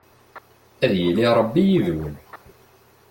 Ad yili Rebbi yid-wen!